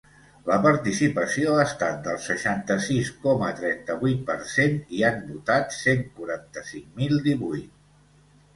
La participació ha estat del seixanta-sis coma trenta-vuit per cent i han votat cent quaranta-cinc mil divuit.